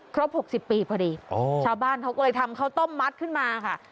๖๐ปีพอดีชาวบ้านเขาก็เลยทำข้าวต้มมัดขึ้นมาค่ะ